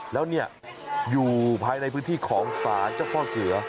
แล้วเนี่ยอยู่ภายในพื้นที่ของศาลเจ้าพ่อเสือ